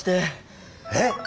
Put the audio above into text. えっ